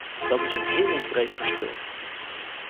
Dat is een hemelsbreed verschil.